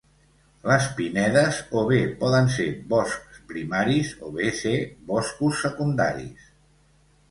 Les pinedes o bé poden ser boscs primaris o bé ser boscos secundaris.